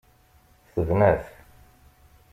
Tebna-t.